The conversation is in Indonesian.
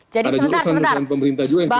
jadi sebentar sebentar